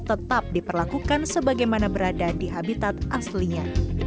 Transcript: tetap diperlakukan sebagaimana berada di habitat aslinya